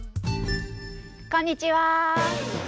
こんにちは！